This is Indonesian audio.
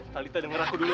talitha denger aku dulu